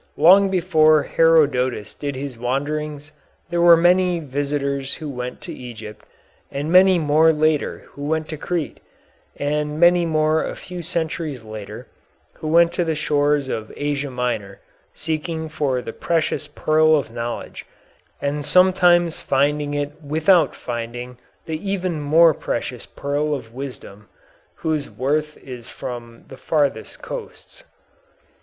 Long before Herodotus did his wanderings there were many visitors who went to Egypt, and many more later who went to Crete, and many more a few centuries later who went to the shores of Asia Minor seeking for the precious pearl of knowledge, and sometimes finding it without finding the even more precious pearl of wisdom, "whose worth is from the farthest coasts."